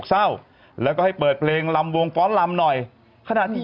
รายละเอียดเป็นอย่างไรนี่